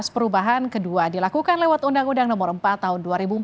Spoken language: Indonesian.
perubahan kedua dilakukan lewat undang undang nomor empat tahun dua ribu empat belas